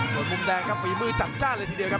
ส่วนมุมแดงครับฝีมือจัดจ้านเลยทีเดียวครับ